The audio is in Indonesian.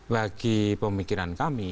bagi pemikiran kami